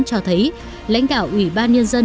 cho thấy lãnh đạo ủy ban nhân dân